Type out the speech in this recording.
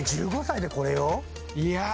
１５歳でこれよ。いや！